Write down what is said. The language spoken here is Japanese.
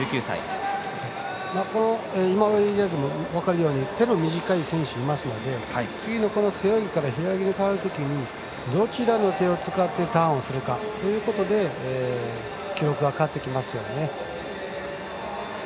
今、見ても分かるように手の短い選手いますので次の背泳ぎから平泳ぎに変わるときにどちらの手を使ってターンするかということで記録が変わってきますよね。